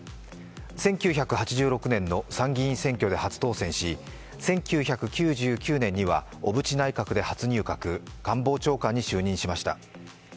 １９８６年の参議院選挙で初当選し、１９９９年には小渕内閣で初入閣、官房長官に就任しました。